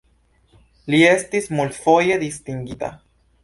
Li estis multfoje distingita.